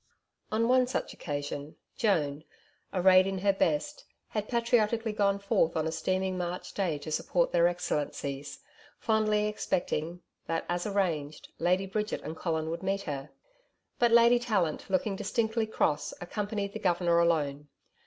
On one such occasion, Joan, arrayed in her best, had patriotically gone forth on a steaming March day to support their Excellencies, fondly expecting that, as arranged, Lady Bridget and Colin would meet her. But Lady Tallant, looking distinctly cross, accompanied the Governor alone.